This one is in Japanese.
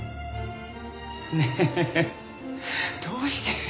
ねえどうして？